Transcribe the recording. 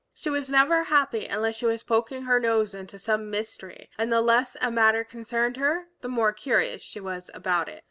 She was never happy unless she was poking her nose into some mystery, and the less a matter concerned her the more curious she was about it.